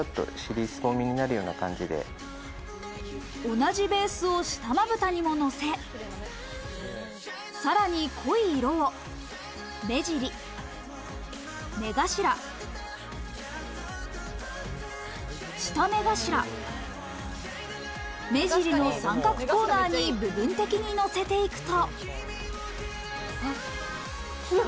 同じベースを下まぶたにも乗せ、さらに濃い色を目尻、目頭、下目頭、目尻の三角コーナーに部分的にのせていくと。